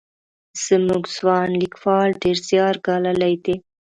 زموږ ځوان لیکوال ډېر زیار ګاللی دی.